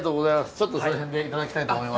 ちょっとその辺で頂きたいと思います。